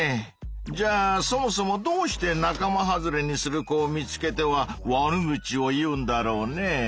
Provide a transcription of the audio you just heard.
じゃあそもそもどうして仲間外れにする子を見つけては悪口を言うんだろうね？